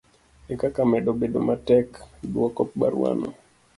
ekaka medo bedo matek dwoko barua no